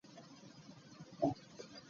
Ssirinaawo gwe nnyinza kwesiga kati.